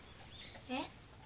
えっ？